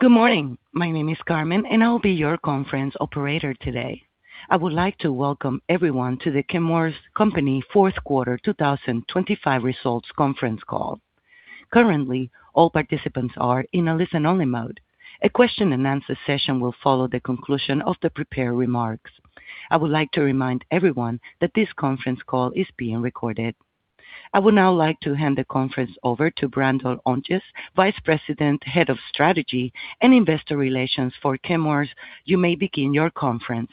Good morning. My name is Carmen, and I'll be your conference operator today. I would like to welcome everyone to the Chemours Company Fourth Quarter 2025 Results Conference Call. Currently, all participants are in a listen-only mode. A question-and-answer session will follow the conclusion of the prepared remarks. I would like to remind everyone that this conference call is being recorded. I would now like to hand the conference over to Brandon Ontjes, Vice President, Head of Strategy and Investor Relations for Chemours. You may begin your conference.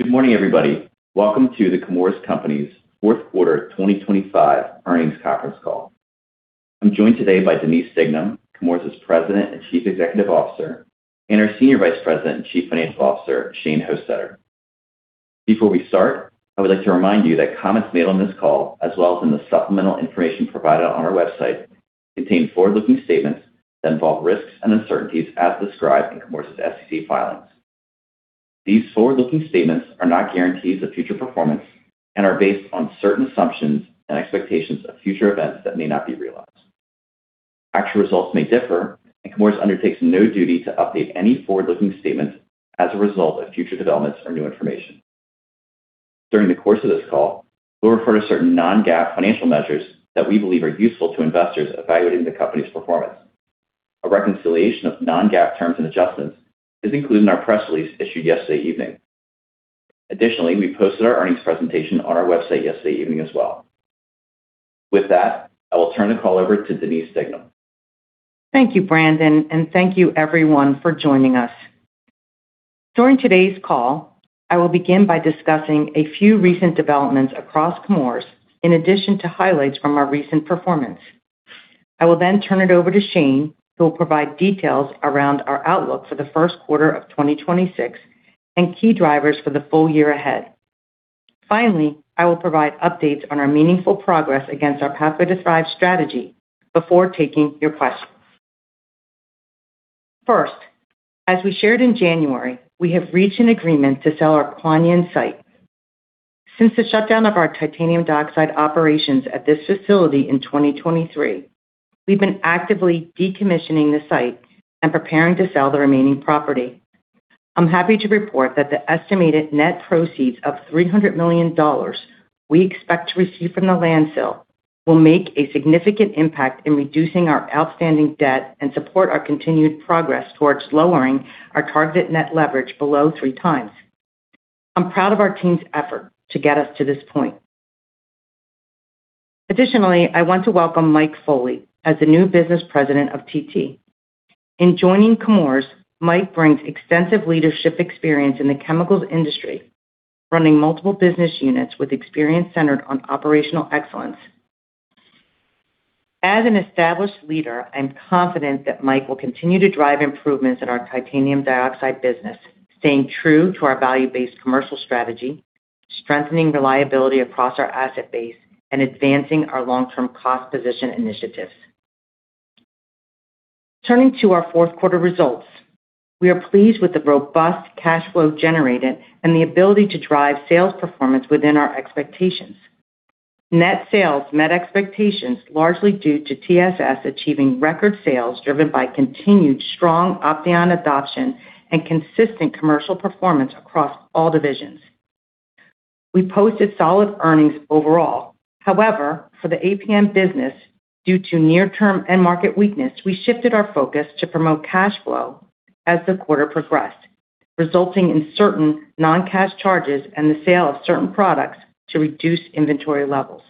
Good morning, everybody. Welcome to the Chemours Company's Fourth Quarter 2025 Earnings Conference Call. I'm joined today by Denise Dignam, Chemours' President and Chief Executive Officer, and our Senior Vice President and Chief Financial Officer, Shane Hostetter. Before we start, I would like to remind you that comments made on this call, as well as in the supplemental information provided on our website, contain forward-looking statements that involve risks and uncertainties as described in Chemours' SEC filings. These forward-looking statements are not guarantees of future performance and are based on certain assumptions and expectations of future events that may not be realized. Actual results may differ, and Chemours undertakes no duty to update any forward-looking statements as a result of future developments or new information. During the course of this call, we'll refer to certain non-GAAP financial measures that we believe are useful to investors evaluating the company's performance. A reconciliation of non-GAAP terms and adjustments is included in our press release issued yesterday evening. Additionally, we posted our earnings presentation on our website yesterday evening as well. With that, I will turn the call over to Denise Dignam. Thank you, Brandon, and thank you everyone for joining us. During today's call, I will begin by discussing a few recent developments across Chemours in addition to highlights from our recent performance. I will then turn it over to Shane, who will provide details around our outlook for the first quarter of 2026 and key drivers for the full year ahead. Finally, I will provide updates on our meaningful progress against our Pathway to Thrive strategy before taking your questions. First, as we shared in January, we have reached an agreement to sell our Kuan Yin site. Since the shutdown of our titanium dioxide operations at this facility in 2023, we've been actively decommissioning the site and preparing to sell the remaining property. I'm happy to report that the estimated net proceeds of $300 million we expect to receive from the land sale will make a significant impact in reducing our outstanding debt and support our continued progress towards lowering our target net leverage below 3x. I'm proud of our team's effort to get us to this point. Additionally, I want to welcome Mike Foley as the new business president of TT. In joining Chemours, Mike brings extensive leadership experience in the chemicals industry, running multiple business units with experience centered on operational excellence. As an established leader, I'm confident that Mike will continue to drive improvements in our titanium dioxide business, staying true to our value-based commercial strategy, strengthening reliability across our asset base, and advancing our long-term cost position initiatives. Turning to our fourth quarter results, we are pleased with the robust cash flow generated and the ability to drive sales performance within our expectations. Net sales met expectations largely due to TSS achieving record sales, driven by continued strong Opteon adoption and consistent commercial performance across all divisions. We posted solid earnings overall. However, for the APM business, due to near-term end market weakness, we shifted our focus to promote cash flow as the quarter progressed, resulting in certain non-cash charges and the sale of certain products to reduce inventory levels.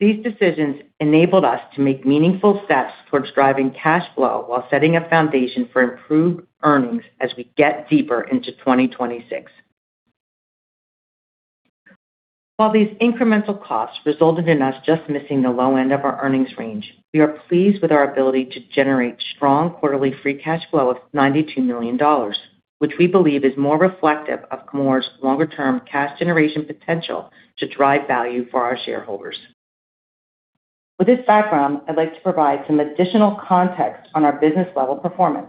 These decisions enabled us to make meaningful steps towards driving cash flow while setting a foundation for improved earnings as we get deeper into 2026. While these incremental costs resulted in us just missing the low end of our earnings range, we are pleased with our ability to generate strong quarterly free cash flow of $92 million, which we believe is more reflective of Chemours' longer-term cash generation potential to drive value for our shareholders. With this background, I'd like to provide some additional context on our business level performance.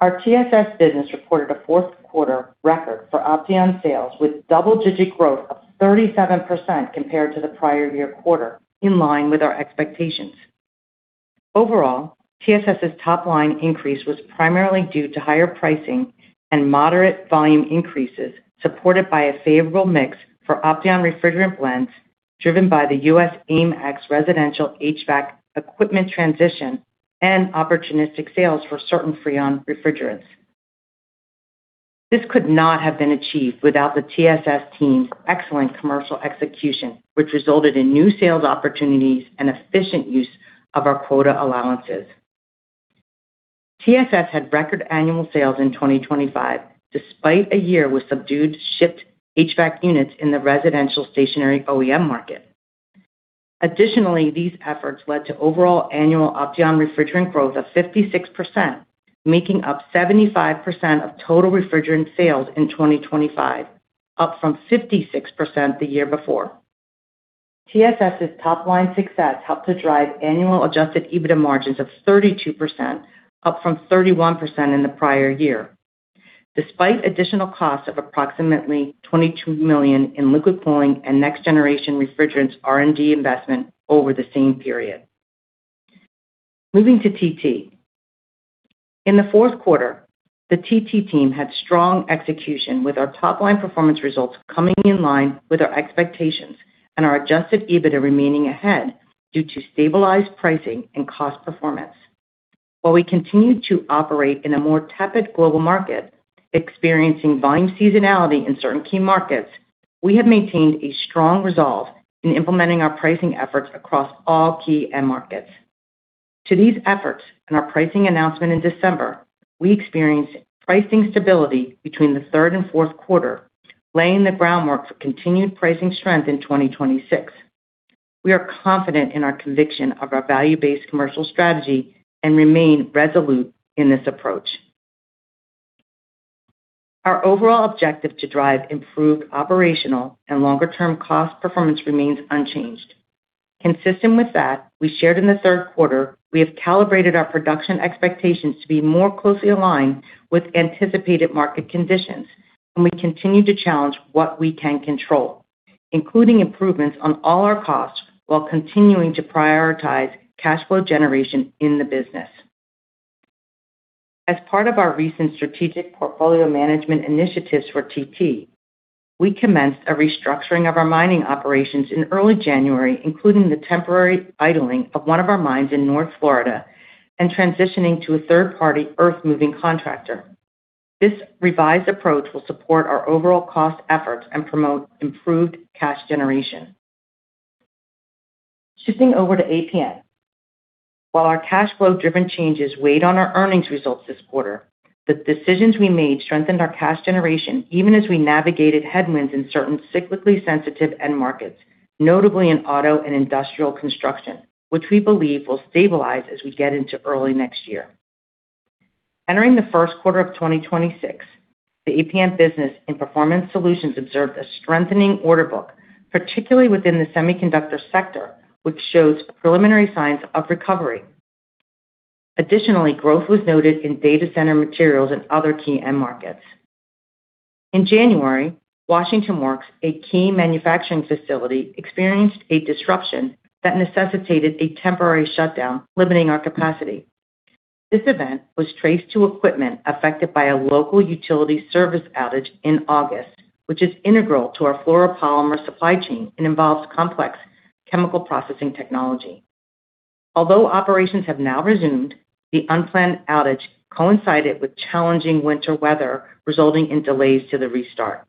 Our TSS business reported a fourth quarter record for Opteon sales, with double-digit growth of 37% compared to the prior year quarter, in line with our expectations. Overall, TSS's top-line increase was primarily due to higher pricing and moderate volume increases, supported by a favorable mix for Opteon refrigerant blends, driven by the U.S. AIM Act Residential HVAC equipment transition and opportunistic sales for certain Freon refrigerants. This could not have been achieved without the TSS team's excellent commercial execution, which resulted in new sales opportunities and efficient use of our quota allowances. TSS had record annual sales in 2025, despite a year with subdued shipped HVAC units in the residential stationary OEM market. Additionally, these efforts led to overall annual Opteon refrigerant growth of 56%, making up 75% of total refrigerant sales in 2025, up from 56% the year before. TSS's top-line success helped to drive annual Adjusted EBITDA margins of 32%, up from 31% in the prior year... despite additional costs of approximately $22 million in liquid cooling and next generation refrigerants R&D investment over the same period. Moving to TT. In the fourth quarter, the TT team had strong execution, with our top-line performance results coming in line with our expectations and our Adjusted EBITDA remaining ahead due to stabilized pricing and cost performance. While we continued to operate in a more tepid global market, experiencing volume seasonality in certain key markets, we have maintained a strong resolve in implementing our pricing efforts across all key end markets. To these efforts and our pricing announcement in December, we experienced pricing stability between the third and fourth quarter, laying the groundwork for continued pricing strength in 2026. We are confident in our conviction of our value-based commercial strategy and remain resolute in this approach. Our overall objective to drive improved operational and longer-term cost performance remains unchanged. Consistent with that, we shared in the third quarter, we have calibrated our production expectations to be more closely aligned with anticipated market conditions, and we continue to challenge what we can control, including improvements on all our costs while continuing to prioritize cash flow generation in the business. As part of our recent strategic portfolio management initiatives for TT, we commenced a restructuring of our mining operations in early January, including the temporary idling of one of our mines in North Florida and transitioning to a third-party earthmoving contractor. This revised approach will support our overall cost efforts and promote improved cash generation. Shifting over to APM. While our cash flow-driven changes weighed on our earnings results this quarter, the decisions we made strengthened our cash generation, even as we navigated headwinds in certain cyclically sensitive end markets, notably in auto and industrial construction, which we believe will stabilize as we get into early next year. Entering the first quarter of 2026, the APM business and Performance Solutions observed a strengthening order book, particularly within the semiconductor sector, which shows preliminary signs of recovery. Additionally, growth was noted in data center materials and other key end markets. In January, Washington Works, a key manufacturing facility, experienced a disruption that necessitated a temporary shutdown, limiting our capacity. This event was traced to equipment affected by a local utility service outage in August, which is integral to our fluoropolymer supply chain and involves complex chemical processing technology. Although operations have now resumed, the unplanned outage coincided with challenging winter weather, resulting in delays to the restart.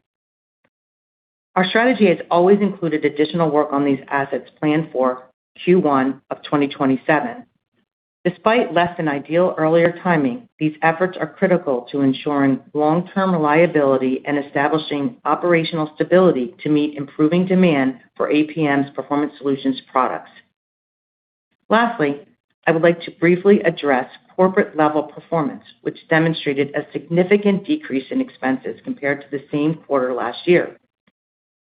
Our strategy has always included additional work on these assets planned for Q1 of 2027. Despite less than ideal earlier timing, these efforts are critical to ensuring long-term reliability and establishing operational stability to meet improving demand for APM's Performance Solutions products. Lastly, I would like to briefly address corporate-level performance, which demonstrated a significant decrease in expenses compared to the same quarter last year.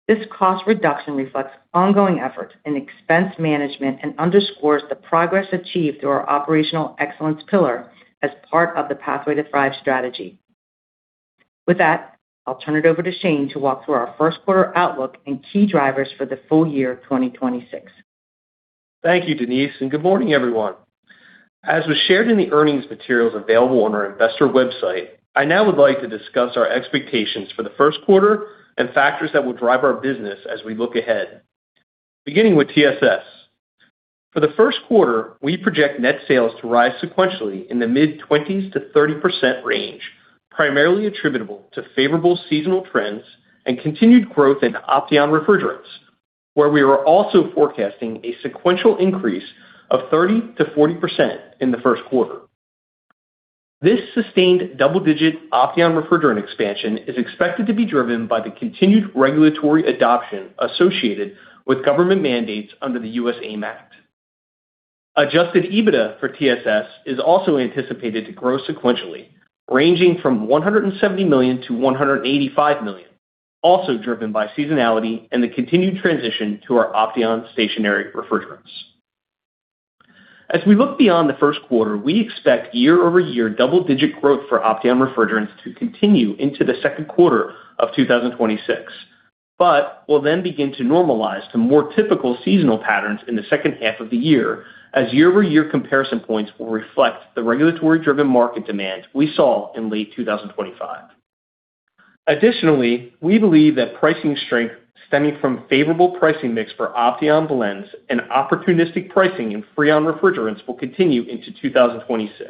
This cost reduction reflects ongoing effort in expense management and underscores the progress achieved through our operational excellence pillar as part of the Pathway to Thrive strategy. With that, I'll turn it over to Shane to walk through our first quarter outlook and key drivers for the full year of 2026. Thank you, Denise, and good morning, everyone. As was shared in the earnings materials available on our investor website, I now would like to discuss our expectations for the first quarter and factors that will drive our business as we look ahead. Beginning with TSS. For the first quarter, we project net sales to rise sequentially in the mid-20s-30% range, primarily attributable to favorable seasonal trends and continued growth in Opteon refrigerants, where we are also forecasting a sequential increase of 30%-40% in the first quarter. This sustained double-digit Opteon refrigerant expansion is expected to be driven by the continued regulatory adoption associated with government mandates under the U.S. AIM Act. Adjusted EBITDA for TSS is also anticipated to grow sequentially, ranging from $170 million-$185 million, also driven by seasonality and the continued transition to our Opteon stationary refrigerants. As we look beyond the first quarter, we expect year-over-year double-digit growth for Opteon Refrigerants to continue into the second quarter of 2026, but will then begin to normalize to more typical seasonal patterns in the second half of the year, as year-over-year comparison points will reflect the regulatory-driven market demand we saw in late 2025. Additionally, we believe that pricing strength stemming from favorable pricing mix for Opteon blends and opportunistic pricing in Freon Refrigerants will continue into 2026.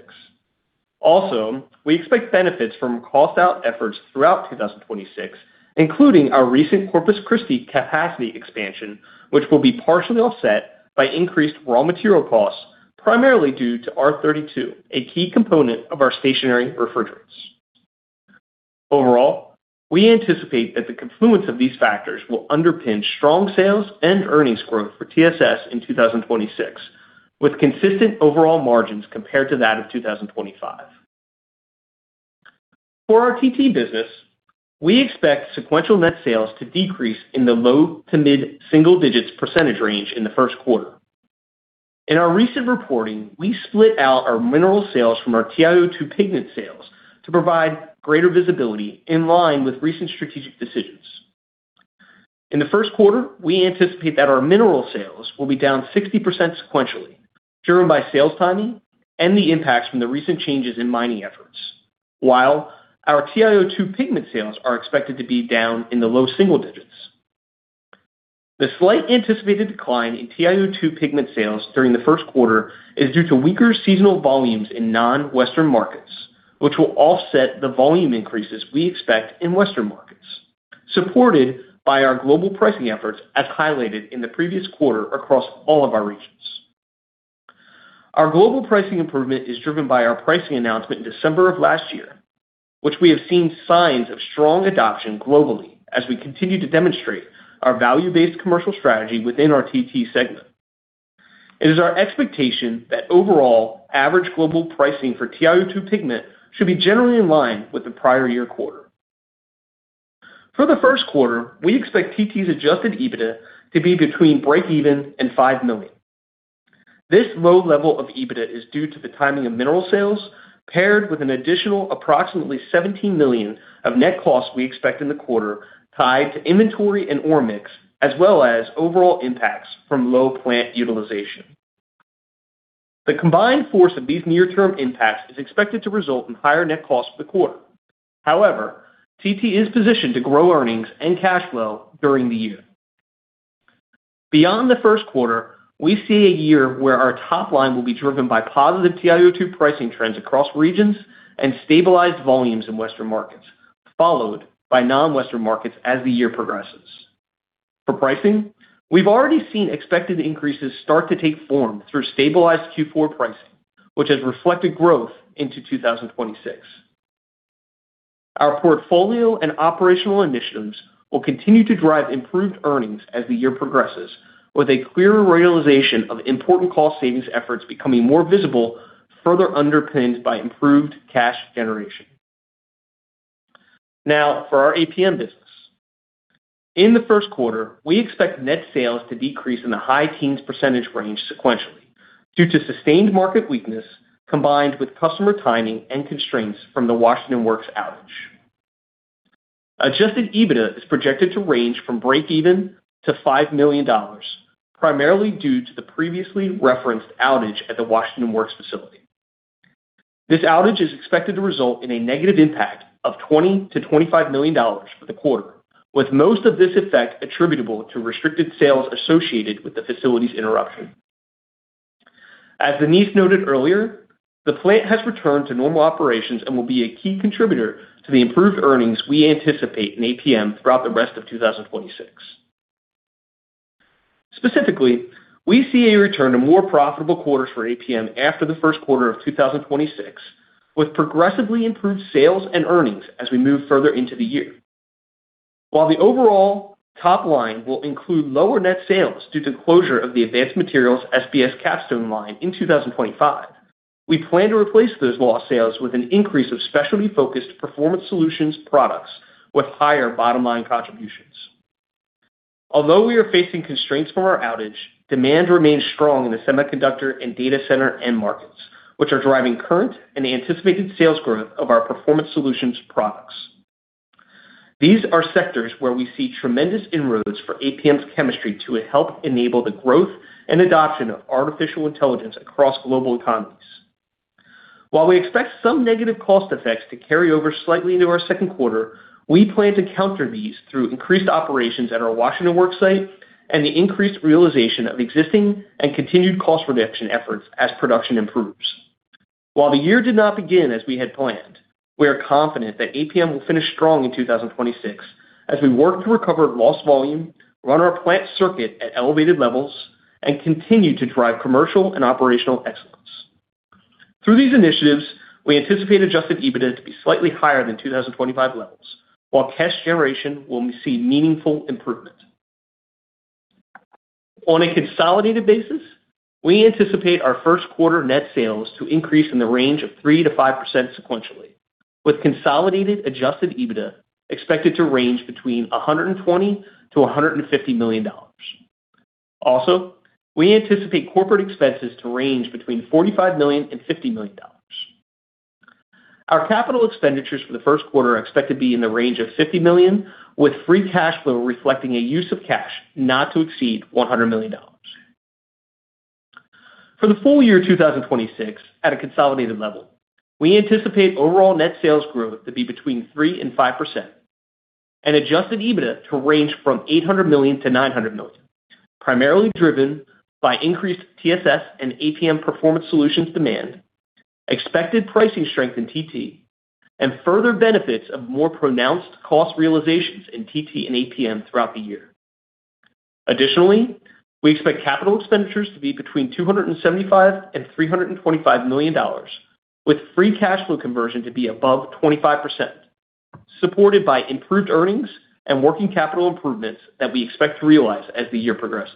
Also, we expect benefits from cost out efforts throughout 2026, including our recent Corpus Christi capacity expansion, which will be partially offset by increased raw material costs, primarily due to R-32, a key component of our stationary refrigerants. Overall, we anticipate that the confluence of these factors will underpin strong sales and earnings growth for TSS in 2026, with consistent overall margins compared to that of 2025. For our TT business, we expect sequential net sales to decrease in the low- to mid-single digits percentage range in the first quarter. In our recent reporting, we split out our mineral sales from our TiO2 pigment sales to provide greater visibility in line with recent strategic decisions. In the first quarter, we anticipate that our mineral sales will be down 60% sequentially, driven by sales timing and the impacts from the recent changes in mining efforts. While our TiO2 pigment sales are expected to be down in the low single digits. The slight anticipated decline in TiO2 pigment sales during the first quarter is due to weaker seasonal volumes in non-Western markets, which will offset the volume increases we expect in Western markets, supported by our global pricing efforts as highlighted in the previous quarter across all of our regions. Our global pricing improvement is driven by our pricing announcement in December of last year, which we have seen signs of strong adoption globally as we continue to demonstrate our value-based commercial strategy within our TT segment. It is our expectation that overall, average global pricing for TiO2 pigment should be generally in line with the prior year quarter. For the first quarter, we expect TT's Adjusted EBITDA to be between breakeven and $5 million. This low level of EBITDA is due to the timing of mineral sales, paired with an additional approximately $17 million of net costs we expect in the quarter, tied to inventory and ore mix, as well as overall impacts from low plant utilization. The combined force of these near-term impacts is expected to result in higher net costs for the quarter. However, TT is positioned to grow earnings and cash flow during the year. Beyond the first quarter, we see a year where our top line will be driven by positive TiO2 pricing trends across regions and stabilized volumes in Western markets, followed by non-Western markets as the year progresses. For pricing, we've already seen expected increases start to take form through stabilized Q4 pricing, which has reflected growth into 2026. Our portfolio and operational initiatives will continue to drive improved earnings as the year progresses, with a clearer realization of important cost savings efforts becoming more visible, further underpinned by improved cash generation. Now, for our APM business. In the first quarter, we expect net sales to decrease in the high teens percentage range sequentially, due to sustained market weakness, combined with customer timing and constraints from the Washington Works outage. Adjusted EBITDA is projected to range from breakeven to $5 million, primarily due to the previously referenced outage at the Washington Works facility. This outage is expected to result in a negative impact of $20 million-$25 million for the quarter, with most of this effect attributable to restricted sales associated with the facility's interruption. As Denise noted earlier, the plant has returned to normal operations and will be a key contributor to the improved earnings we anticipate in APM throughout the rest of 2026. Specifically, we see a return to more profitable quarters for APM after the first quarter of 2026, with progressively improved sales and earnings as we move further into the year. While the overall top line will include lower net sales due to closure of the Advanced Materials SPS Capstone line in 2025, we plan to replace those lost sales with an increase of specialty-focused Performance Solutions products with higher bottom-line contributions. Although we are facing constraints from our outage, demand remains strong in the semiconductor and data center end markets, which are driving current and anticipated sales growth of our Performance Solutions products. These are sectors where we see tremendous inroads for APM's chemistry to help enable the growth and adoption of artificial intelligence across global economies. While we expect some negative cost effects to carry over slightly into our second quarter, we plan to counter these through increased operations at our Washington Works site and the increased realization of existing and continued cost reduction efforts as production improves. While the year did not begin as we had planned, we are confident that APM will finish strong in 2026 as we work to recover lost volume, run our plant circuit at elevated levels, and continue to drive commercial and operational excellence. Through these initiatives, we anticipate Adjusted EBITDA to be slightly higher than 2025 levels, while cash generation will see meaningful improvement. On a consolidated basis, we anticipate our first quarter net sales to increase in the range of 3%-5% sequentially, with consolidated Adjusted EBITDA expected to range between $120 million-$150 million. Also, we anticipate corporate expenses to range between $45 million-$50 million. Our capital expenditures for the first quarter are expected to be in the range of $50 million, with free cash flow reflecting a use of cash not to exceed $100 million. For the full year 2026, at a consolidated level, we anticipate overall net sales growth to be between 3% and 5%, and Adjusted EBITDA to range from $800 million-$900 million, primarily driven by increased TSS and APM Performance Solutions demand, expected pricing strength in TT, and further benefits of more pronounced cost realizations in TT and APM throughout the year. Additionally, we expect capital expenditures to be between $275 million and $325 million, with free cash flow conversion to be above 25%, supported by improved earnings and working capital improvements that we expect to realize as the year progresses.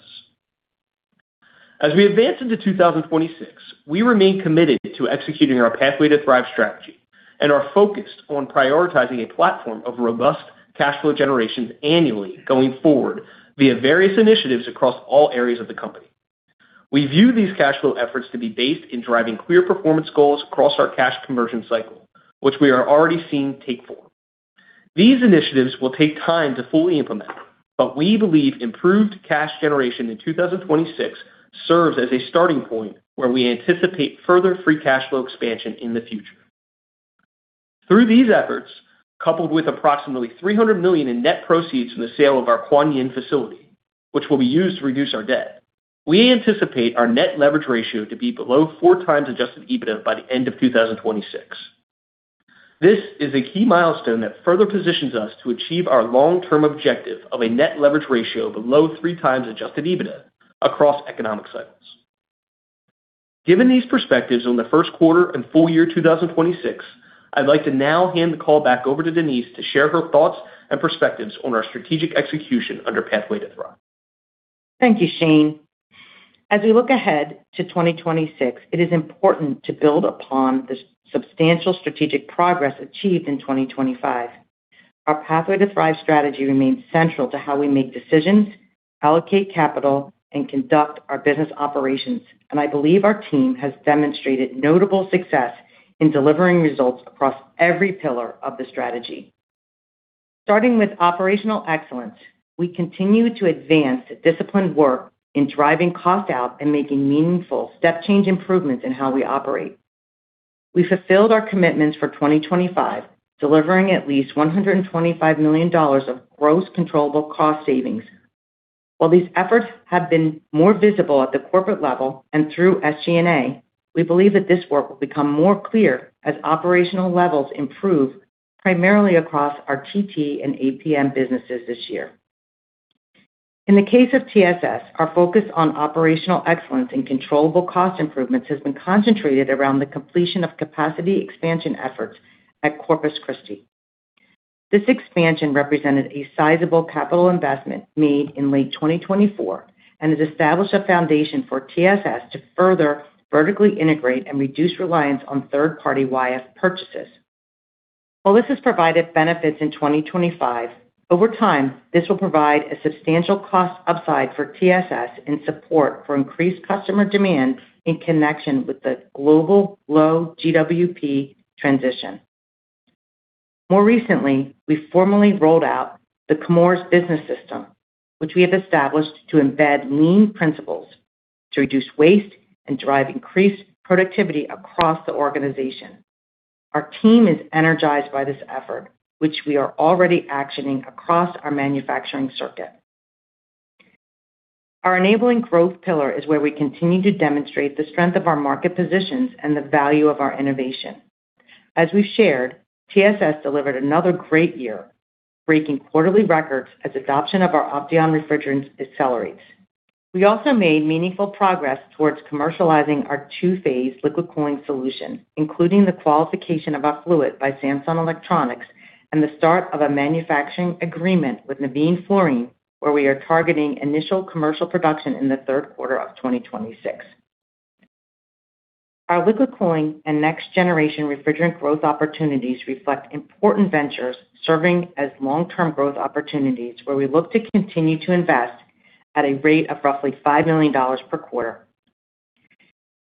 As we advance into 2026, we remain committed to executing our Pathway to Thrive strategy.... And are focused on prioritizing a platform of robust cash flow generation annually going forward, via various initiatives across all areas of the company. We view these cash flow efforts to be based in driving clear performance goals across our cash conversion cycle, which we are already seeing take form. These initiatives will take time to fully implement, but we believe improved cash generation in 2026 serves as a starting point where we anticipate further free cash flow expansion in the future. Through these efforts, coupled with approximately $300 million in net proceeds from the sale of our Kuan Yin facility, which will be used to reduce our debt, we anticipate our net leverage ratio to be below 4x Adjusted EBITDA by the end of 2026. This is a key milestone that further positions us to achieve our long-term objective of a net leverage ratio below three times Adjusted EBITDA across economic cycles. Given these perspectives on the first quarter and full year 2026, I'd like to now hand the call back over to Denise to share her thoughts and perspectives on our strategic execution under Pathway to Thrive. Thank you, Shane. As we look ahead to 2026, it is important to build upon the substantial strategic progress achieved in 2025. Our Pathway to Thrive strategy remains central to how we make decisions, allocate capital, and conduct our business operations, and I believe our team has demonstrated notable success in delivering results across every pillar of the strategy. Starting with operational excellence, we continue to advance the disciplined work in driving cost out and making meaningful step-change improvements in how we operate. We fulfilled our commitments for 2025, delivering at least $125 million of gross controllable cost savings. While these efforts have been more visible at the corporate level and through SG&A, we believe that this work will become more clear as operational levels improve, primarily across our TT and APM businesses this year. In the case of TSS, our focus on operational excellence and controllable cost improvements has been concentrated around the completion of capacity expansion efforts at Corpus Christi. This expansion represented a sizable capital investment made in late 2024 and has established a foundation for TSS to further vertically integrate and reduce reliance on third-party YF purchases. While this has provided benefits in 2025, over time, this will provide a substantial cost upside for TSS in support for increased customer demand in connection with the global low GWP transition. More recently, we formally rolled out the Chemours Business System, which we have established to embed lean principles to reduce waste and drive increased productivity across the organization. Our team is energized by this effort, which we are already actioning across our manufacturing circuit. Our enabling growth pillar is where we continue to demonstrate the strength of our market positions and the value of our innovation. As we've shared, TSS delivered another great year, breaking quarterly records as adoption of our Opteon refrigerants accelerates. We also made meaningful progress towards commercializing our two-phase liquid cooling solution, including the qualification of our fluid by Samsung Electronics and the start of a manufacturing agreement with Navin Fluorine, where we are targeting initial commercial production in the third quarter of 2026. Our liquid cooling and next-generation refrigerant growth opportunities reflect important ventures serving as long-term growth opportunities, where we look to continue to invest at a rate of roughly $5 million per quarter.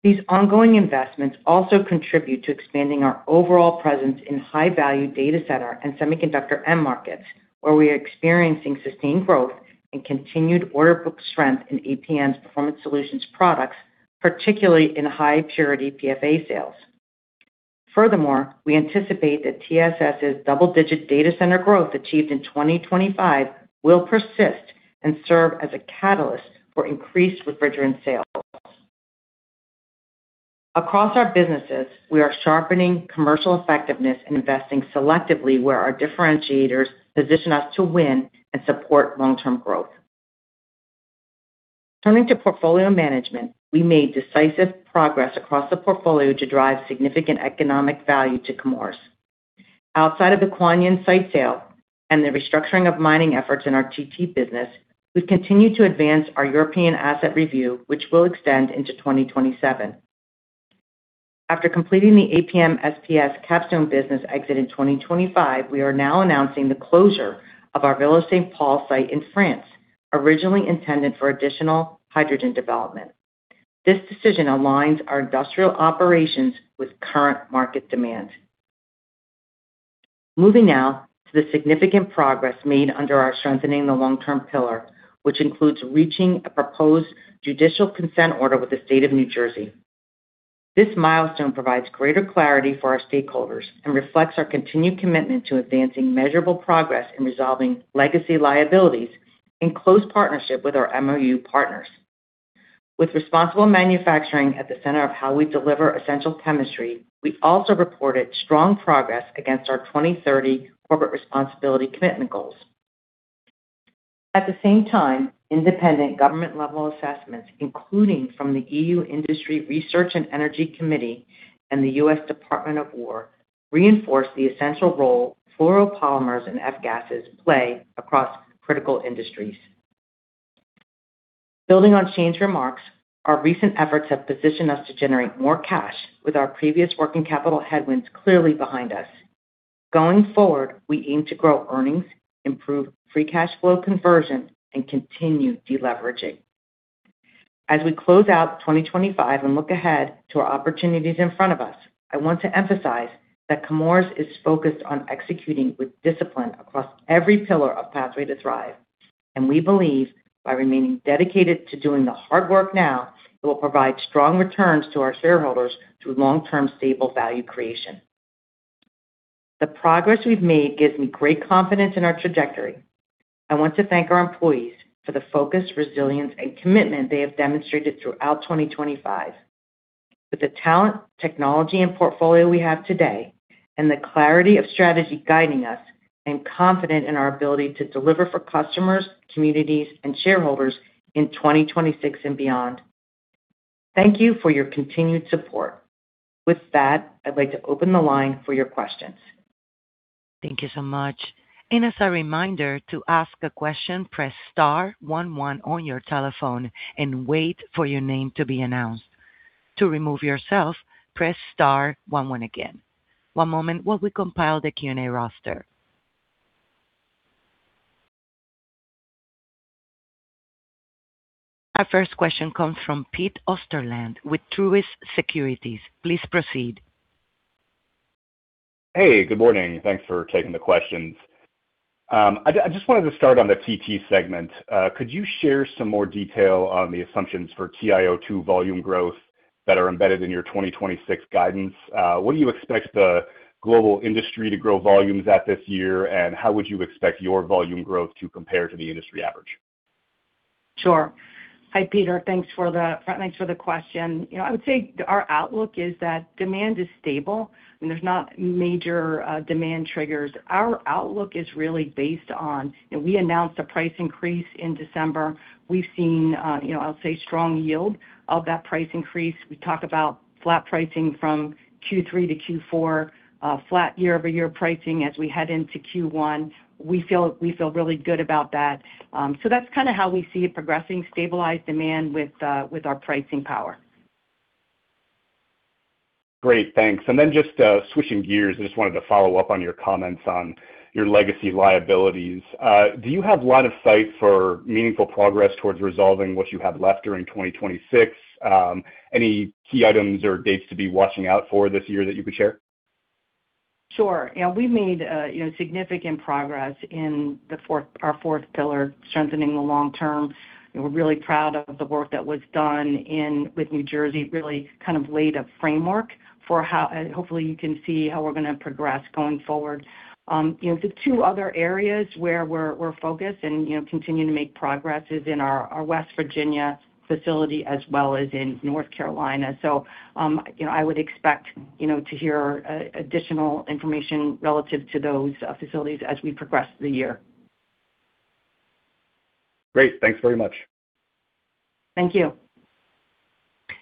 These ongoing investments also contribute to expanding our overall presence in high-value data center and semiconductor end markets, where we are experiencing sustained growth and continued order book strength in APM's Performance Solutions products, particularly in high-purity PFA sales. Furthermore, we anticipate that TSS's double-digit data center growth achieved in 2025 will persist and serve as a catalyst for increased refrigerant sales. Across our businesses, we are sharpening commercial effectiveness and investing selectively where our differentiators position us to win and support long-term growth. Turning to portfolio management, we made decisive progress across the portfolio to drive significant economic value to Chemours. Outside of the Kuan Yin site sale and the restructuring of mining efforts in our TT business, we've continued to advance our European asset review, which will extend into 2027. After completing the APM SPS Capstone business exit in 2025, we are now announcing the closure of our Villers-Saint-Paul site in France, originally intended for additional hydrogen development. This decision aligns our industrial operations with current market demands. Moving now to the significant progress made under our strengthening the long-term pillar, which includes reaching a proposed judicial consent order with the state of New Jersey. This milestone provides greater clarity for our stakeholders and reflects our continued commitment to advancing measurable progress in resolving legacy liabilities in close partnership with our MOU partners. With responsible manufacturing at the center of how we deliver essential chemistry, we also reported strong progress against our 2030 corporate responsibility commitment goals. At the same time, independent government-level assessments, including from the E.U. Industry, Research and Energy Committee and the U.S. Department of War, reinforce the essential role fluoropolymers and F-gases play across critical industries. Building on Shane's remarks, our recent efforts have positioned us to generate more cash with our previous working capital headwinds clearly behind us. Going forward, we aim to grow earnings, improve free cash flow conversion, and continue deleveraging. As we close out 2025 and look ahead to our opportunities in front of us, I want to emphasize that Chemours is focused on executing with discipline across every pillar of Pathway to Thrive, and we believe by remaining dedicated to doing the hard work now, it will provide strong returns to our shareholders through long-term, stable value creation. The progress we've made gives me great confidence in our trajectory. I want to thank our employees for the focus, resilience, and commitment they have demonstrated throughout 2025. With the talent, technology, and portfolio we have today, and the clarity of strategy guiding us, I'm confident in our ability to deliver for customers, communities, and shareholders in 2026 and beyond. Thank you for your continued support. With that, I'd like to open the line for your questions. Thank you so much. As a reminder, to ask a question, press star one one on your telephone and wait for your name to be announced. To remove yourself, press star one one again. One moment while we compile the Q&A roster. Our first question comes from Pete Osterland with Truist Securities. Please proceed. Hey, good morning. Thanks for taking the questions. I just wanted to start on the TT segment. Could you share some more detail on the assumptions for TiO2 volume growth that are embedded in your 2026 guidance? What do you expect the global industry to grow volumes at this year, and how would you expect your volume growth to compare to the industry average? Sure. Hi, Peter. Thanks for the question. You know, I would say our outlook is that demand is stable, and there's not major demand triggers. Our outlook is really based on, you know, we announced a price increase in December. We've seen, you know, I'll say, strong yield of that price increase. We talk about flat pricing from Q3 to Q4, flat year-over-year pricing as we head into Q1. We feel, we feel really good about that. So that's kind of how we see it progressing, stabilized demand with our pricing power. Great, thanks. And then just, switching gears, I just wanted to follow up on your comments on your legacy liabilities. Do you have line of sight for meaningful progress towards resolving what you have left during 2026? Any key items or dates to be watching out for this year that you could share? Sure. Yeah, we've made, you know, significant progress in the fourth, our fourth pillar, strengthening the long term. We're really proud of the work that was done in with New Jersey, really kind of laid a framework for how... hopefully, you can see how we're gonna progress going forward. You know, the two other areas where we're focused and, you know, continuing to make progress is in our West Virginia facility as well as in North Carolina. So, you know, I would expect, you know, to hear additional information relative to those facilities as we progress through the year. Great. Thanks very much. Thank you.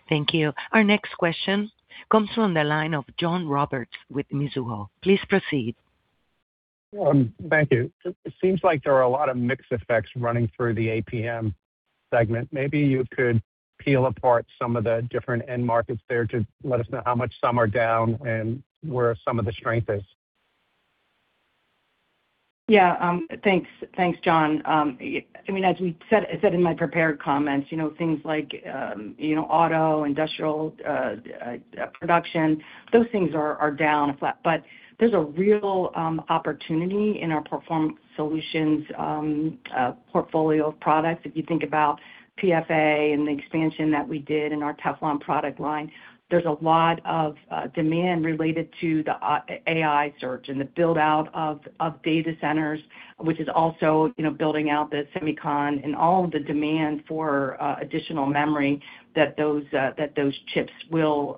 Thank you. Our next question comes from the line of John Roberts with Mizuho. Please proceed. Thank you. It seems like there are a lot of mixed effects running through the APM segment. Maybe you could peel apart some of the different end markets there to let us know how much some are down and where some of the strength is. Yeah, thanks. Thanks, John. I mean, as we said, I said in my prepared comments, you know, things like, you know, auto, industrial, production, those things are down and flat. But there's a real opportunity in our Performance Solutions portfolio of products. If you think about PFA and the expansion that we did in our Teflon product line, there's a lot of demand related to the AI surge and the build-out of data centers, which is also, you know, building out the semicon, and all of the demand for additional memory that those chips will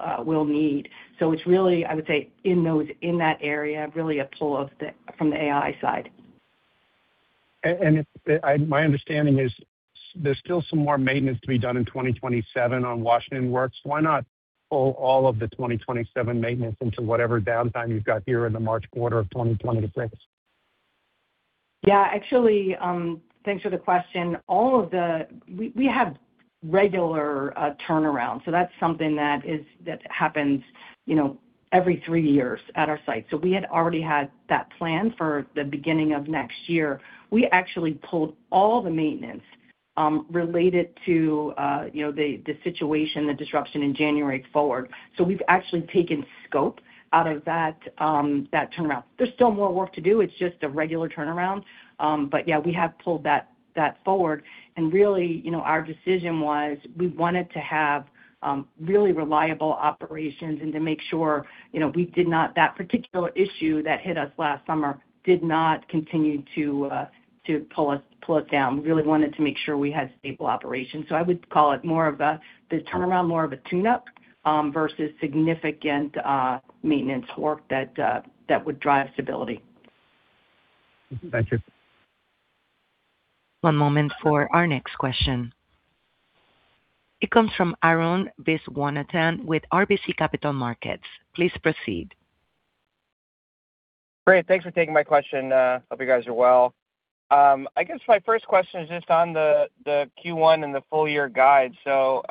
need. So it's really, I would say, in those, in that area, really a pull from the AI side. It's my understanding is there's still some more maintenance to be done in 2027 on Washington Works. Why not pull all of the 2027 maintenance into whatever downtime you've got here in the March quarter of 2026? Yeah, actually, thanks for the question. All of the... We have regular turnaround, so that's something that is, that happens, you know, every three years at our site. So we had already had that planned for the beginning of next year. We actually pulled all the maintenance related to, you know, the situation, the disruption in January forward. So we've actually taken scope out of that turnaround. There's still more work to do. It's just a regular turnaround, but yeah, we have pulled that forward. And really, you know, our decision was, we wanted to have really reliable operations and to make sure, you know, we did not-- that particular issue that hit us last summer did not continue to pull us down. We really wanted to make sure we had stable operations. I would call it more of a the turnaround, more of a tune-up versus significant maintenance work that would drive stability. Thank you. One moment for our next question. It comes from Arun Viswanathan with RBC Capital Markets. Please proceed. Great. Thanks for taking my question. Hope you guys are well. I guess my first question is just on the Q1 and the full year guide. So,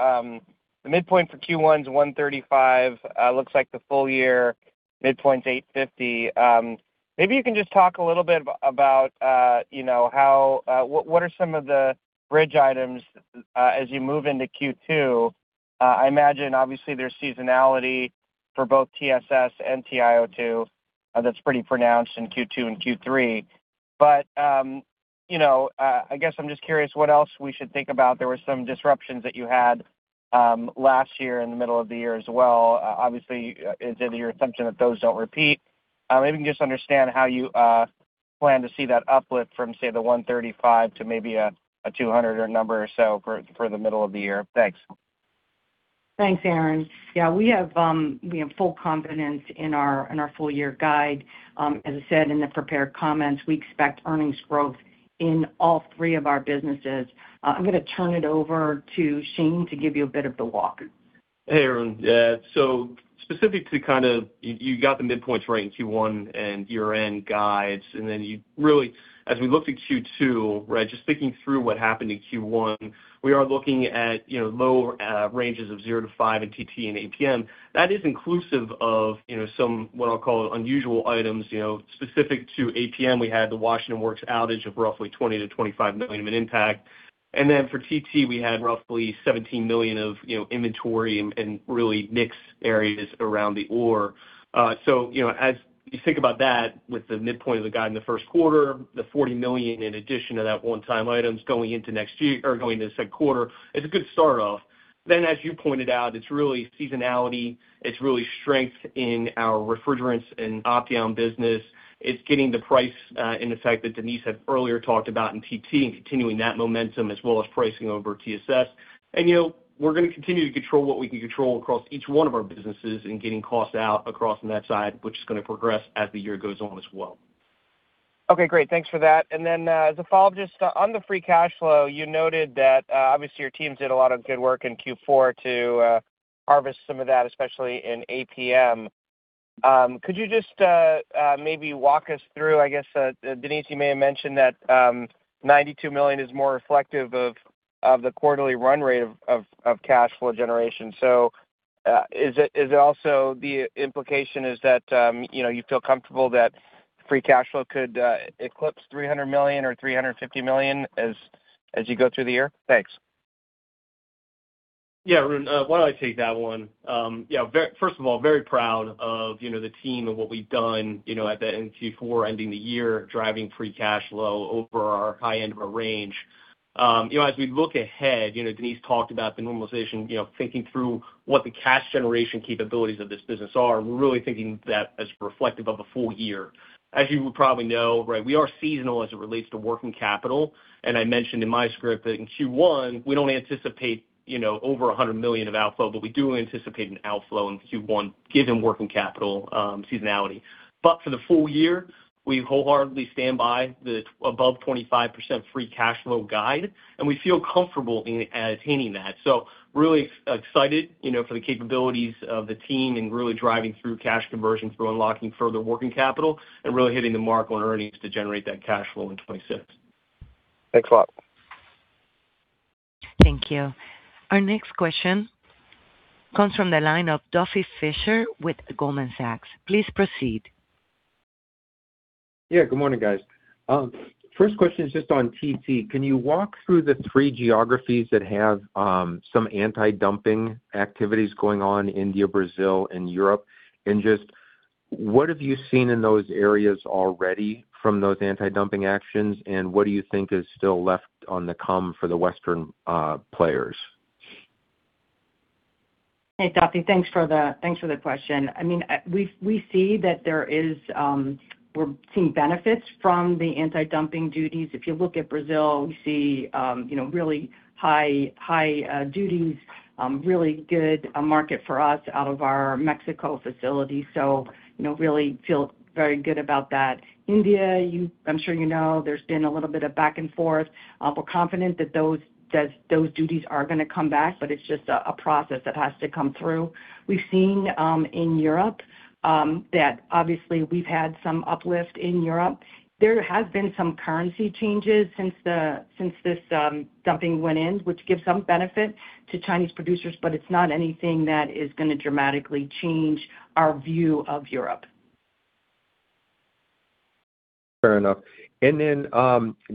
the midpoint for Q1 is $135. Looks like the full year midpoint is $850. Maybe you can just talk a little bit about, you know, how, what, what are some of the bridge items, as you move into Q2? I imagine obviously, there's seasonality for both TSS and TiO2, that's pretty pronounced in Q2 and Q3. But, you know, I guess I'm just curious what else we should think about. There were some disruptions that you had, last year in the middle of the year as well. Obviously, is it your assumption that those don't repeat? Maybe you can just understand how you plan to see that uplift from, say, the $135 to maybe a $200 or number or so for the middle of the year. Thanks. Thanks, Arun. Yeah, we have full confidence in our full year guide. As I said in the prepared comments, we expect earnings growth in all three of our businesses. I'm gonna turn it over to Shane to give you a bit of the walk. Hey, Arun. So specific to kind of, you, you got the midpoints right in Q1 and year-end guides, and then you really, as we looked at Q2, right, just thinking through what happened in Q1, we are looking at, you know, lower ranges of 0-5 in TT and APM. That is inclusive of, you know, some, what I'll call unusual items. You know, specific to APM, we had the Washington Works outage of roughly $20 million-$25 million of an impact. And then for TT, we had roughly $17 million of, you know, inventory and, and really mix areas around the ore. So you know, as you think about that, with the midpoint of the guide in the first quarter, the $40 million in addition to that one-time items going into next year, or going into second quarter, it's a good start off. Then, as you pointed out, it's really seasonality, it's really strength in our refrigerants and Opteon business. It's getting the price, and the fact that Denise had earlier talked about in TT and continuing that momentum, as well as pricing over TSS. And, you know, we're gonna continue to control what we can control across each one of our businesses and getting costs out across on that side, which is gonna progress as the year goes on as well. Okay, great. Thanks for that. And then, as a follow-up, just on the free cash flow, you noted that, obviously, your teams did a lot of good work in Q4 to harvest some of that, especially in APM. Could you just maybe walk us through, I guess, Denise, you may have mentioned that $92 million is more reflective of the quarterly run rate of cash flow generation. So, is it also the implication is that, you know, you feel comfortable that free cash flow could eclipse $300 million or $350 million as you go through the year? Thanks. Yeah, Arun, why don't I take that one? Yeah, first of all, very proud of, you know, the team and what we've done, you know, at the end of Q4, ending the year, driving free cash flow over our high end of our range. You know, as we look ahead, you know, Denise talked about the normalization, you know, thinking through what the cash generation capabilities of this business are. We're really thinking that as reflective of a full year. As you would probably know, right, we are seasonal as it relates to working capital, and I mentioned in my script that in Q1, we don't anticipate, you know, over $100 million of outflow, but we do anticipate an outflow in Q1, given working capital, seasonality. But for the full year, we wholeheartedly stand by the above 25% free cash flow guide, and we feel comfortable in attaining that. So really excited, you know, for the capabilities of the team and really driving through cash conversion through unlocking further working capital and really hitting the mark on earnings to generate that cash flow in 2026. Thanks a lot. Thank you. Our next question comes from the line of Duffy Fischer with Goldman Sachs. Please proceed. Yeah, good morning, guys. First question is just on TT. Can you walk through the three geographies that have some anti-dumping activities going on, India, Brazil, and Europe? And just what have you seen in those areas already from those anti-dumping actions, and what do you think is still left on the come for the Western players? Hey, Duffy, thanks for the question. I mean, we've we see that there is, we're seeing benefits from the anti-dumping duties. If you look at Brazil, we see, you know, really high duties, really good market for us out of our Mexico facility. So you know, really feel very good about that. India, you, I'm sure you know, there's been a little bit of back and forth. We're confident that those duties are gonna come back, but it's just a process that has to come through. We've seen in Europe that obviously we've had some uplift in Europe. There have been some currency changes since this dumping went in, which gives some benefit to Chinese producers, but it's not anything that is gonna dramatically change our view of Europe. Fair enough. Then,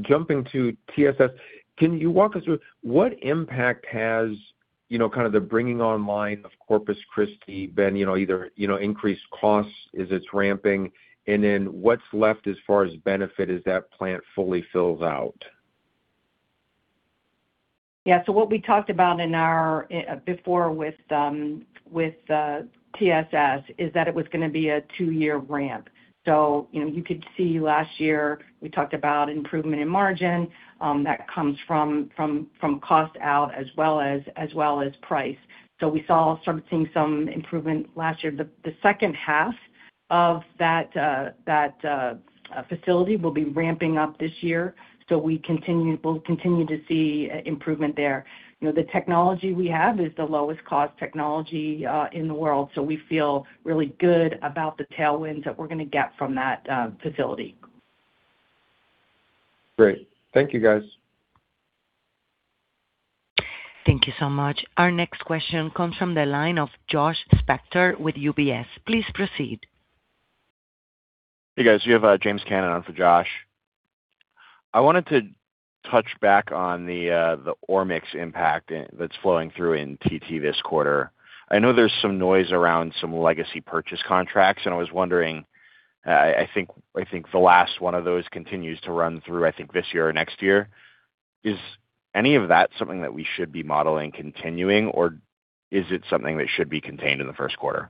jumping to TSS, can you walk us through what impact has, you know, kind of the bringing online of Corpus Christi been, you know, either, you know, increased costs as it's ramping, and then what's left as far as benefit as that plant fully fills out? Yeah, so what we talked about in our before with TSS is that it was gonna be a two-year ramp. So you know, you could see last year we talked about improvement in margin that comes from cost out as well as price. So we saw starting some improvement last year. The second half of that facility will be ramping up this year. So we continue, we'll continue to see improvement there. You know, the technology we have is the lowest cost technology in the world, so we feel really good about the tailwinds that we're gonna get from that facility. Great. Thank you, guys. Thank you so much. Our next question comes from the line of Josh Spector with UBS. Please proceed. Hey, guys, you have James Cannon on for Josh. I wanted to touch back on the ore mix impact that's flowing through in TT this quarter. I know there's some noise around some legacy purchase contracts, and I was wondering, I think the last one of those continues to run through, I think, this year or next year. Is any of that something that we should be modeling continuing, or is it something that should be contained in the first quarter?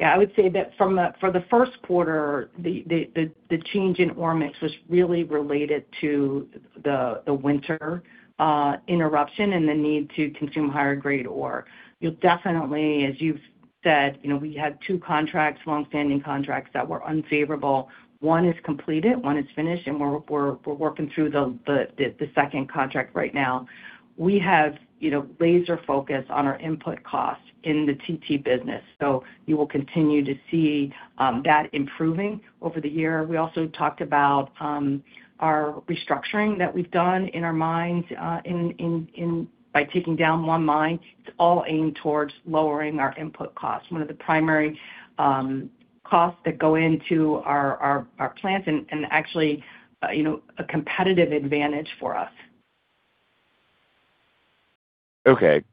Yeah, I would say that from the for the first quarter, the change in ore mix was really related to the winter interruption and the need to consume higher grade ore. You'll definitely, as you've said, you know, we had two contracts, long-standing contracts that were unfavorable. One is completed, one is finished, and we're working through the second contract right now. We have, you know, laser focus on our input costs in the TT business, so you will continue to see that improving over the year. We also talked about our restructuring that we've done in our mines in by taking down one mine. It's all aimed towards lowering our input costs, one of the primary costs that go into our plants and actually, you know, a competitive advantage for us. Okay,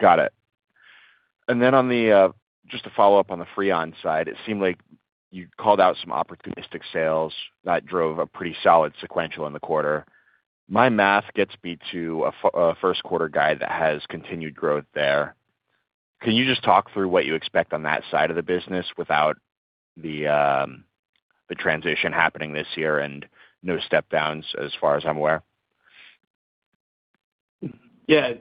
got it. And then on the just to follow up on the Freon side, it seemed like you called out some opportunistic sales that drove a pretty solid sequential in the quarter. My math gets me to a first quarter guide that has continued growth there. Can you just talk through what you expect on that side of the business without the the transition happening this year and no step downs as far as I'm aware? Yeah,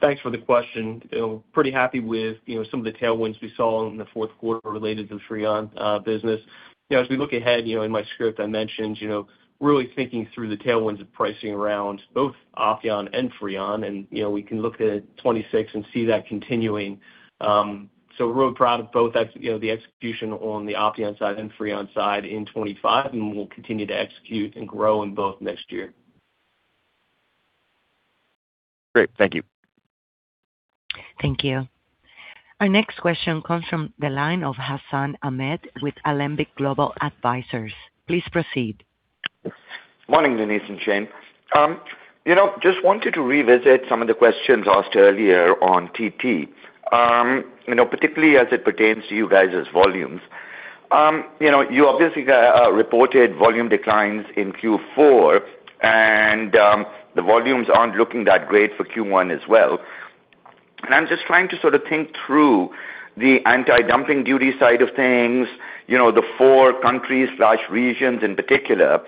thanks for the question. You know, pretty happy with, you know, some of the tailwinds we saw in the fourth quarter related to the Freon business. You know, as we look ahead, you know, in my script, I mentioned, you know, really thinking through the tailwinds of pricing around both Opteon and Freon, and, you know, we can look at 2026 and see that continuing. So we're really proud of both you know, the execution on the Opteon side and Freon side in 2025, and we'll continue to execute and grow in both next year. Great. Thank you. Thank you. Our next question comes from the line of Hassan Ahmed with Alembic Global Advisors. Please proceed. Morning, Denise and Shane. You know, just wanted to revisit some of the questions asked earlier on TT. You know, particularly as it pertains to you guys' volumes. You know, you obviously reported volume declines in Q4, and the volumes aren't looking that great for Q1 as well. And I'm just trying to sort of think through the anti-dumping duty side of things, you know, the four countries/regions in particular,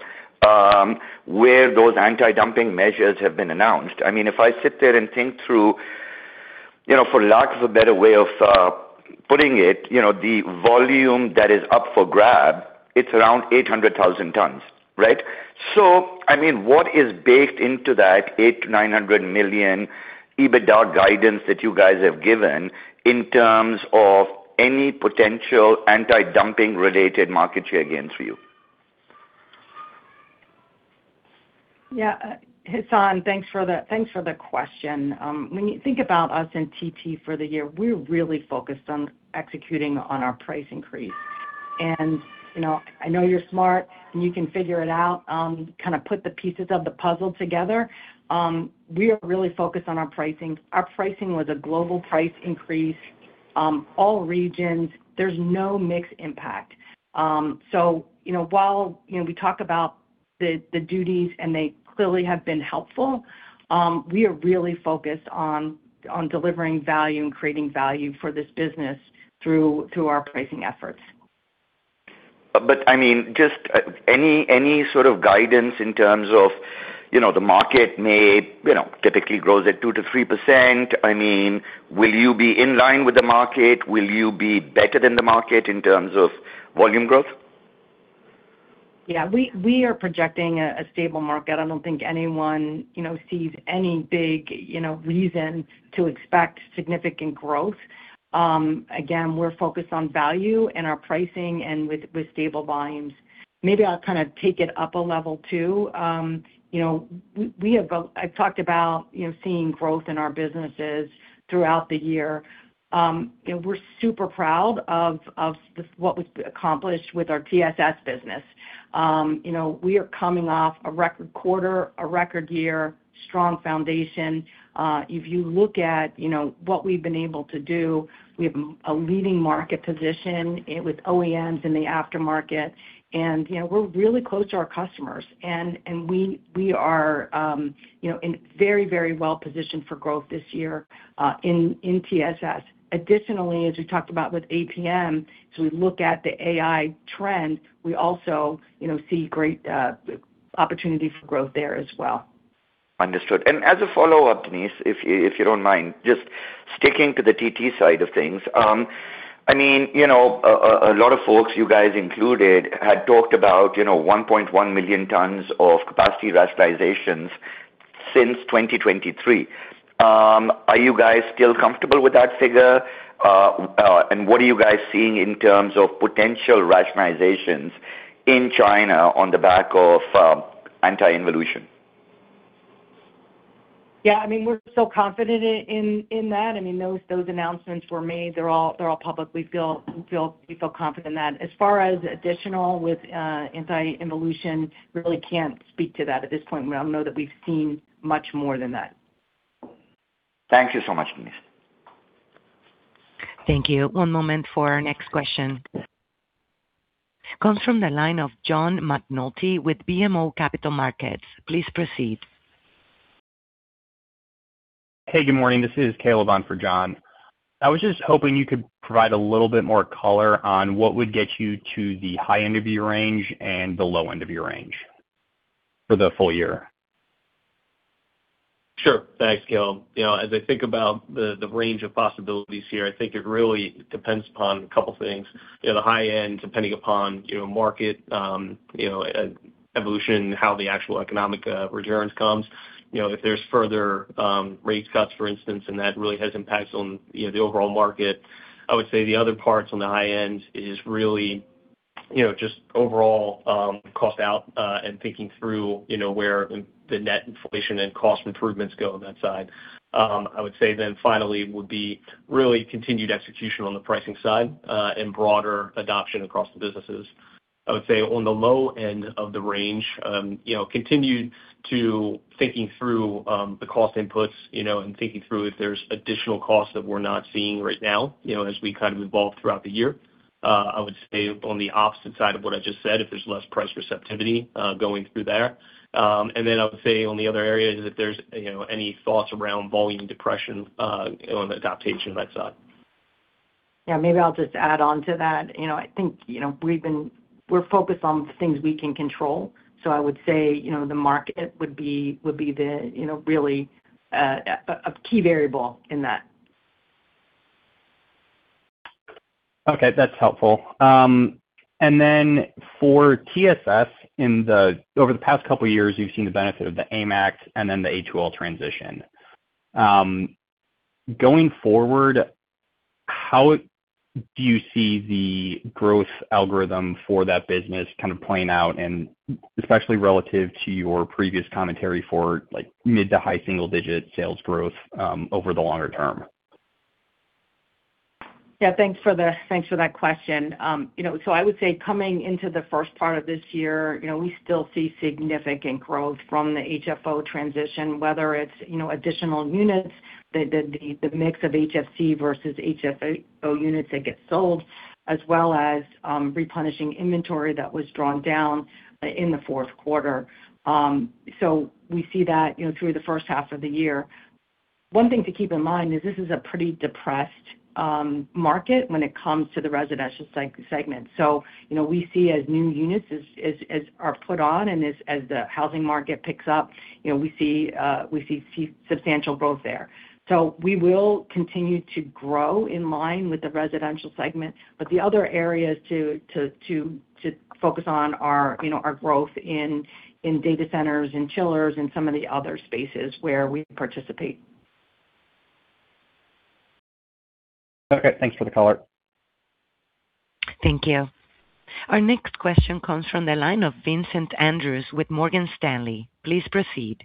where those anti-dumping measures have been announced. I mean, if I sit there and think through, you know, for lack of a better way of putting it, you know, the volume that is up for grab, it's around 800,000 tons, right? So, I mean, what is baked into that $800 million-$900 million EBITDA guidance that you guys have given in terms of any potential anti-dumping related market share gains for you? Yeah, Hassan, thanks for the, thanks for the question. When you think about us in TT for the year, we're really focused on executing on our price increase. You know, I know you're smart and you can figure it out, kind of put the pieces of the puzzle together. We are really focused on our pricing. Our pricing was a global price increase, all regions. There's no mix impact. So, you know, while, you know, we talk about the, the duties, and they clearly have been helpful, we are really focused on, on delivering value and creating value for this business through, through our pricing efforts. But, I mean, just any sort of guidance in terms of, you know, the market may, you know, typically grows at 2%-3%. I mean, will you be in line with the market? Will you be better than the market in terms of volume growth? Yeah, we are projecting a stable market. I don't think anyone, you know, sees any big, you know, reason to expect significant growth. Again, we're focused on value and our pricing and with stable volumes. Maybe I'll kind of take it up a level or two. You know, we have both—I've talked about, you know, seeing growth in our businesses throughout the year. And we're super proud of what we've accomplished with our TSS business. You know, we are coming off a record quarter, a record year, strong foundation. If you look at, you know, what we've been able to do, we have a leading market position with OEMs in the aftermarket, and, you know, we're really close to our customers. We are, you know, in very, very well positioned for growth this year in TSS. Additionally, as we talked about with APM, as we look at the AI trend, we also, you know, see great opportunity for growth there as well. Understood. As a follow-up, Denise, if you, if you don't mind, just sticking to the TT side of things. I mean, you know, a lot of folks, you guys included, had talked about, you know, 1.1 million tons of capacity rationalizations since 2023. Are you guys still comfortable with that figure? What are you guys seeing in terms of potential rationalizations in China on the back of anti-involution? Yeah, I mean, we're still confident in that. I mean, those announcements were made. They're all public. We feel confident in that. As far as additional with anti-involution, really can't speak to that at this point. We don't know that we've seen much more than that. Thank you so much, Denise. Thank you. One moment for our next question. Comes from the line of John McNulty with BMO Capital Markets. Please proceed. Hey, good morning. This is Caleb on for John. I was just hoping you could provide a little bit more color on what would get you to the high end of your range and the low end of your range for the full year. Sure. Thanks, Caleb. You know, as I think about the range of possibilities here, I think it really depends upon a couple things. You know, the high end, depending upon, you know, market evolution and how the actual economic returns comes. You know, if there's further rate cuts, for instance, and that really has impacts on, you know, the overall market. I would say the other parts on the high end is really, you know, just overall cost out and thinking through, you know, where the net inflation and cost improvements go on that side. I would say then finally would be really continued execution on the pricing side and broader adoption across the businesses. I would say on the low end of the range, you know, continued to thinking through the cost inputs, you know, and thinking through if there's additional costs that we're not seeing right now, you know, as we kind of evolve throughout the year. I would say on the opposite side of what I just said, if there's less price receptivity going through there. And then I would say on the other areas, if there's, you know, any thoughts around volume depression on adoption on that side. Yeah, maybe I'll just add on to that. You know, I think, you know, we've been—we're focused on things we can control. So I would say, you know, the market would be the, you know, really, a key variable in that. Okay, that's helpful. And then for TSS, over the past couple of years, you've seen the benefit of the AIM Act and then the A2L transition. Going forward, how do you see the growth algorithm for that business kind of playing out, and especially relative to your previous commentary for, like, mid to high single digit sales growth, over the longer term? Yeah, thanks for that question. You know, so I would say coming into the first part of this year, you know, we still see significant growth from the HFO transition, whether it's, you know, additional units, the mix of HFC versus HFO units that get sold, as well as, replenishing inventory that was drawn down in the fourth quarter. So we see that, you know, through the first half of the year. One thing to keep in mind is this is a pretty depressed market when it comes to the residential segment. So, you know, we see as new units are put on and as the housing market picks up, you know, we see substantial growth there. So we will continue to grow in line with the residential segment, but the other areas to focus on are, you know, growth in data centers and chillers and some of the other spaces where we participate. Okay, thanks for the color. Thank you. Our next question comes from the line of Vincent Andrews with Morgan Stanley. Please proceed.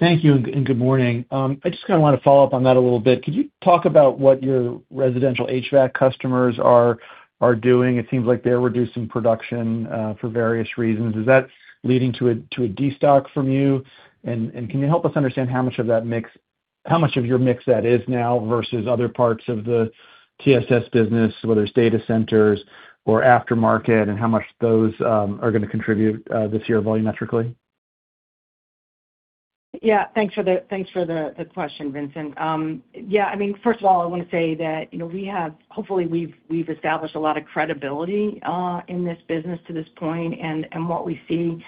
Thank you and good morning. I just kind of want to follow up on that a little bit. Could you talk about what your residential HVAC customers are doing? It seems like they're reducing production for various reasons. Is that leading to a destock from you? And can you help us understand how much of that mix, how much of your mix that is now versus other parts of the TSS business, whether it's data centers or aftermarket, and how much those are gonna contribute this year volumetrically? Yeah, thanks for the question, Vincent. Yeah, I mean, first of all, I want to say that, you know, we have hopefully we've established a lot of credibility in this business to this point, and what we see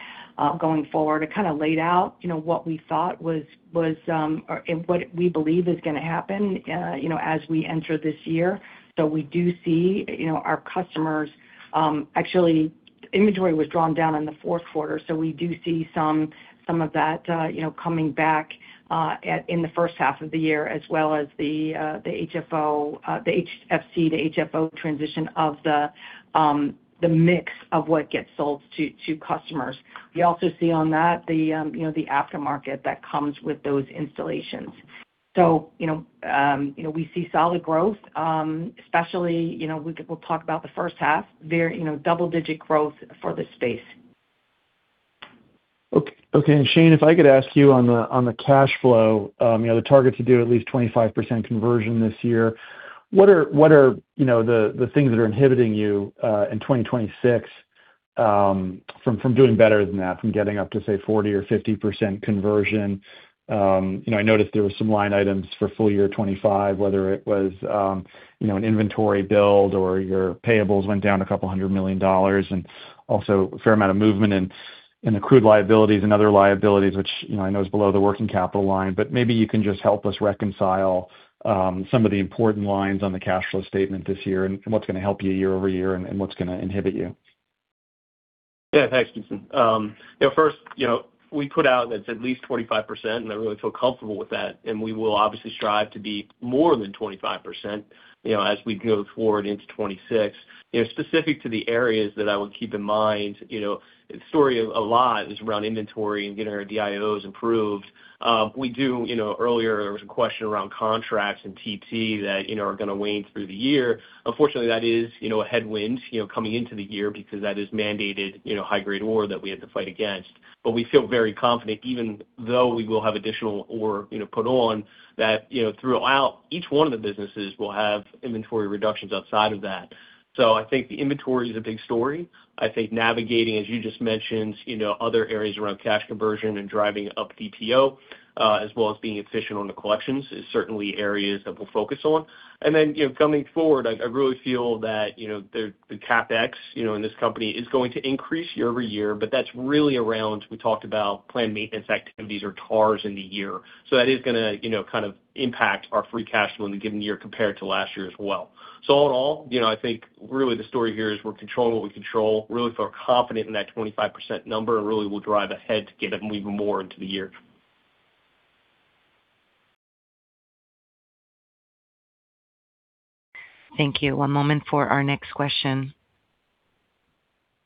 going forward. I kind of laid out, you know, what we thought was or and what we believe is gonna happen, you know, as we enter this year. So we do see, you know, our customers. Actually, inventory was drawn down in the fourth quarter, so we do see some of that, you know, coming back in the first half of the year, as well as the HFO, the HFC to HFO transition of the mix of what gets sold to customers. We also see on that the, you know, the aftermarket that comes with those installations. So, you know, you know, we see solid growth, especially, you know, we, we'll talk about the first half, very, you know, double-digit growth for this space. Okay, and Shane, if I could ask you on the, on the cash flow, you know, the target to do at least 25% conversion this year, what are, you know, the, the things that are inhibiting you, in 2026, from doing better than that, from getting up to, say, 40% or 50% conversion? You know, I noticed there were some line items for full year 2025, whether it was, you know, an inventory build or your payables went down $200 million, and also a fair amount of movement in, in accrued liabilities and other liabilities, which, you know, I know is below the working capital line. Maybe you can just help us reconcile some of the important lines on the cash flow statement this year, and what's gonna help you year-over-year, and what's gonna inhibit you? Yeah, thanks, Jason. You know, first, you know, we put out that's at least 25%, and I really feel comfortable with that, and we will obviously strive to be more than 25%, you know, as we go forward into 2026. You know, specific to the areas that I would keep in mind, you know, the story a lot is around inventory and getting our DIOs improved. We do, you know, earlier, there was a question around contracts and TT that, you know, are gonna wane through the year. Unfortunately, that is, you know, a headwind, you know, coming into the year because that is mandated, you know, high-grade ore that we had to fight against. But we feel very confident, even though we will have additional ore, you know, put on, that, you know, throughout each one of the businesses, we'll have inventory reductions outside of that. So I think the inventory is a big story. I think navigating, as you just mentioned, you know, other areas around cash conversion and driving up DPO, as well as being efficient on the collections, is certainly areas that we'll focus on. And then, you know, coming forward, I, I really feel that, you know, the, the CapEx, you know, in this company is going to increase year-over-year, but that's really around, we talked about planned maintenance activities or TARs in the year. So that is gonna, you know, kind of impact our free cash flow in the given year compared to last year as well. In all, you know, I think really the story here is we're controlling what we control. Really feel confident in that 25% number and really will drive ahead to get it even more into the year. Thank you. One moment for our next question.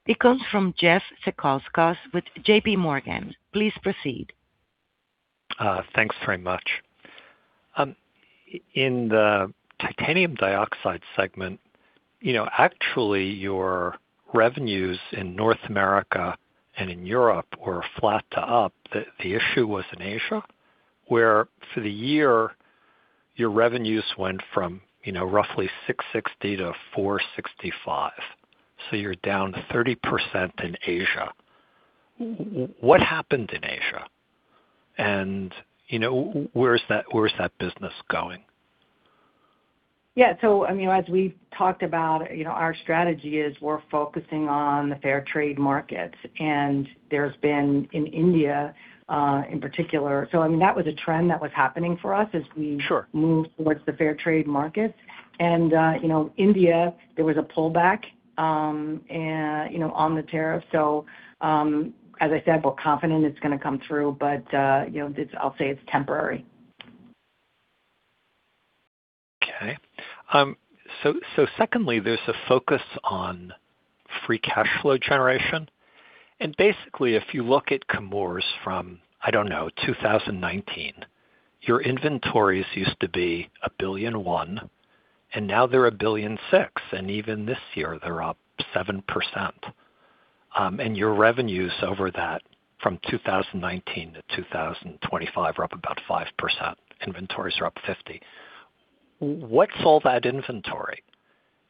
It comes from Jeff Zekauskas with J.P. Morgan. Please proceed. Thanks very much. In the titanium dioxide segment, you know, actually, your revenues in North America and in Europe were flat to up. The issue was in Asia, where for the year, your revenues went from, you know, roughly $660 to $465, so you're down 30% in Asia. What happened in Asia? And, you know, where is that, where is that business going? Yeah, so I mean, as we've talked about, you know, our strategy is we're focusing on the fair trade markets, and there's been in India, in particular... So I mean, that was a trend that was happening for us as we- Sure. -moved towards the fair trade markets. And, you know, India, there was a pullback, and, you know, on the tariff. So, as I said, we're confident it's gonna come through, but, you know, I'll say it's temporary. Okay. So secondly, there's a focus on free cash flow generation. And basically, if you look at Chemours from, I don't know, 2019, your inventories used to be $1.1 billion, and now they're $1.6 billion, and even this year, they're up 7%. And your revenues over that from 2019 to 2025 are up about 5%. Inventories are up 50%. What's all that inventory?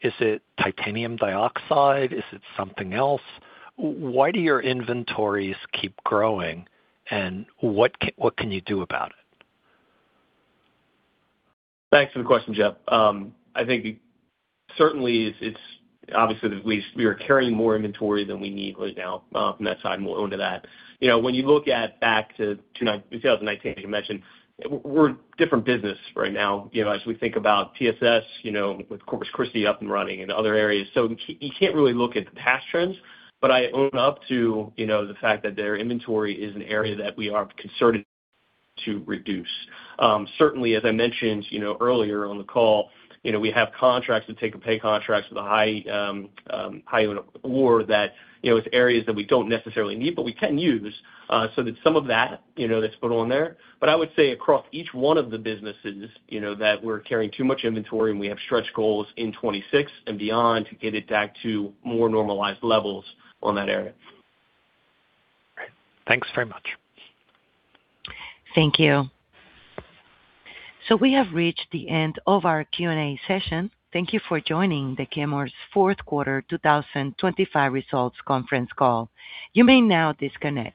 Is it titanium dioxide? Is it something else? Why do your inventories keep growing, and what can you do about it? Thanks for the question, Jeff. I think certainly it's, it's obviously we are carrying more inventory than we need right now from that side, and we'll own up to that. You know, when you look back to 2019, you mentioned, we're a different business right now, you know, as we think about TSS, you know, with Corpus Christi up and running and other areas. So you can't really look at the past trends, but I own up to, you know, the fact that their inventory is an area that we are committed to reduce. Certainly, as I mentioned, you know, earlier on the call, you know, we have contracts to take-or-pay contracts with a high, high ore that, you know, it's areas that we don't necessarily need, but we can use, so that some of that, you know, that's put on there. But I would say across each one of the businesses, you know, that we're carrying too much inventory, and we have stretch goals in 2026 and beyond to get it back to more normalized levels on that area. Great. Thanks very much. Thank you. So we have reached the end of our Q&A session. Thank you for joining the Chemours' Fourth Quarter 2025 Results Conference Call. You may now disconnect.